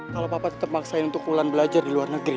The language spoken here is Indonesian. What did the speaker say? kalau papa tetap maksain untuk pulang belajar di luar negeri